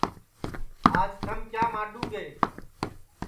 آج تھم کیا ماڈؔوں گے